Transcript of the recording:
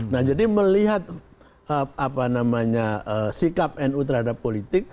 nah jadi melihat apa namanya sikap nu terhadap politik